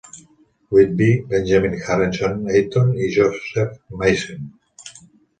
Whedbee, Benjamin Harrison Eaton i Joseph Mason.